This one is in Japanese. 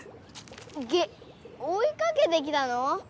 げっおいかけてきたの？